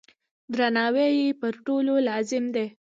درناوی یې پر ټولو لازم دی.